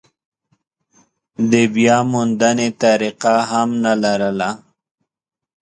د بیاموندنې طریقه هم نه لرله.